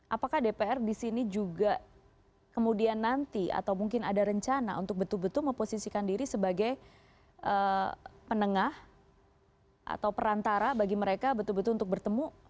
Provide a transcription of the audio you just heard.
apakah dpr disini juga kemudian nanti atau mungkin ada rencana untuk betul betul memposisikan diri sebagai penengah atau perantara bagi mereka betul betul untuk bertemu